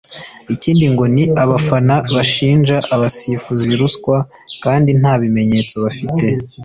ikindi ngo ni abafana bashinja abasifuzi ruswa kandi nta bimenyetso bafite